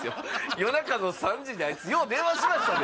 夜中の３時にあいつよう電話しましたね